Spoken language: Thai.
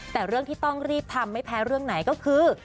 แต่เรื่องที่ต้องรีบทำไม่แพ้เรื่องไหนก็คือ